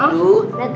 negeri doang juga